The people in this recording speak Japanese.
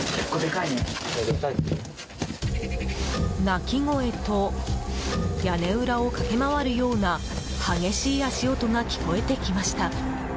鳴き声と屋根裏を駆け回るような激しい足音が聞こえてきました。